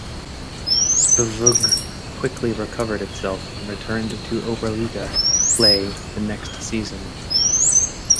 "SpVgg" quickly recovered itself and returned to Oberliga play the next season.